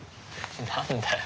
何だよ。